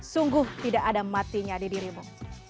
sungguh tidak ada matinya di dirimu